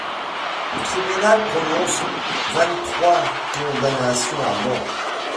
Le tribunal prononce vingt-trois condamnations à mort.